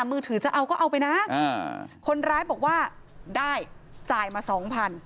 มือถือจะเอาก็เอาไปนะคนร้ายบอกว่าได้จ่ายมาสองพัน